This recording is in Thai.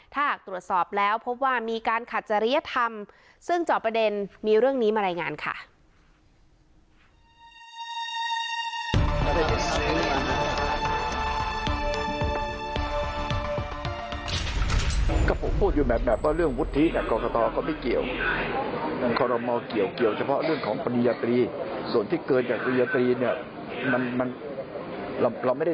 ถ้าหากตรวจสอบแล้วพบว่ามีการขัดจริยธรรมซึ่งจอบประเด็นมีเรื่องนี้มารายงานค่ะ